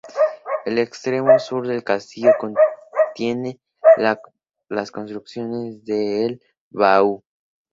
El extremo sur del castillo contiene las construcciones de Le Vau.